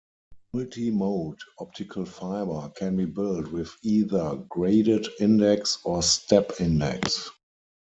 Multi-mode optical fiber can be built with either graded index or step index.